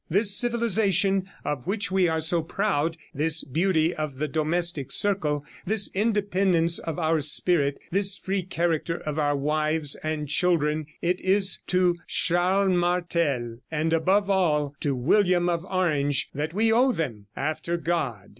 This civilization, of which we are so proud, this beauty of the domestic circle, this independence of our spirit, this free character of our wives and children it is to Charles Martelle, and above all to William of Orange, that we owe them, after God.